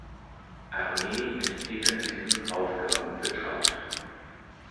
Armee mit defensiven Aufgaben betraut.